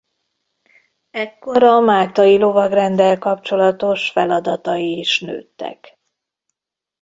Ekkor a Máltai lovagrenddel kapcsolatos feladatai is nőttek.